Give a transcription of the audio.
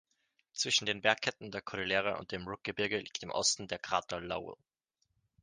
Zwischen den Bergketten der Kordillere und dem Rook-Gebirge liegt im Osten der Krater Lowell.